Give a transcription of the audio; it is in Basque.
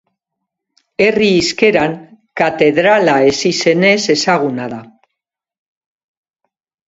Herri hizkeran Katedrala ezizenez ezaguna da.